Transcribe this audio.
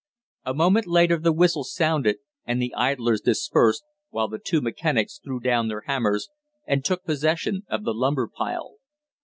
A moment later the whistles sounded and the idlers dispersed, while the two mechanics threw down their hammers and took possession of the lumber pile.